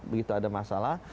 begitu ada masalah